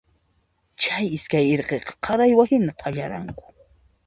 Chay iskay irqiqa qaraywa hina thallaranku.